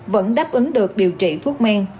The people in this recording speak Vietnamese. vẫn đáp ứng được điều trị thuốc men